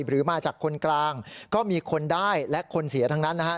หรือมาจากคนกลางก็มีคนได้และคนเสียทั้งนั้นนะฮะ